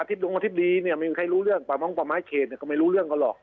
ตรงอธิบดีเนี่ยไม่มีใครรู้เรื่องป่าม้องป่าไม้เขตก็ไม่รู้เรื่องกันหรอก